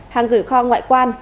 hàng gửi kho ngoại quan